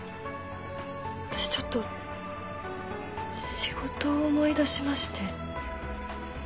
私ちょっと仕事を思い出しまして。